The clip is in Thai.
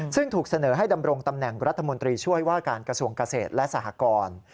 ซึ่งถูกเสนอให้ดำรงตำแหน่งรัฐมนตรีช่วยว่าการกระทรวงเกษตรและสหกร